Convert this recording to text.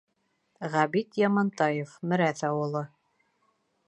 Ғәбит ЯМАНТАЕВ, Мерәҫ ауылы: